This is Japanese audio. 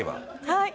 はい。